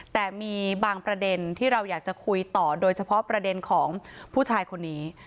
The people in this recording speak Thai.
แต่มีบางประเด็นที่เราอยากจะคุยต่อโดยเฉพาะประเด็นของผู้ชายคนนี้